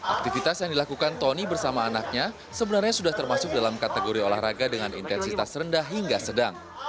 aktivitas yang dilakukan tony bersama anaknya sebenarnya sudah termasuk dalam kategori olahraga dengan intensitas rendah hingga sedang